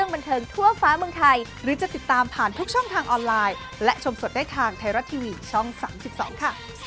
มันเทิงไทรรัก